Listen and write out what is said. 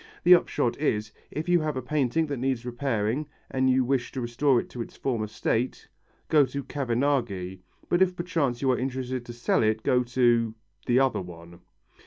The upshot is: If you have a painting that needs repairing and you wish to restore it to its former state go to Cavenaghi, but if perchance you are interested to sell it go to the other one.